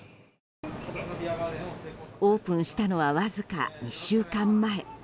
オープンしたのはわずか２週間前。